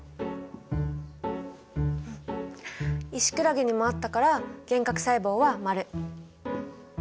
イシクラゲにもあったから原核細胞はマル。